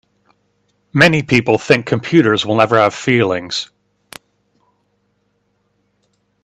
Many people think computers will never have feelings.